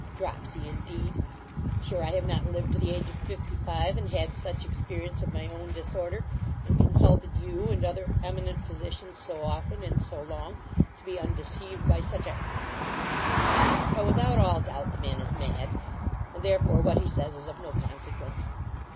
Dropsy, indeed! Sure I have not lived to the age of fifty five, and had such experience of my own disorder, and consulted you and other eminent physicians, so often, and so long, to be undeceived by such a But, without all doubt, the man is mad; and, therefore, what he says is of no consequence.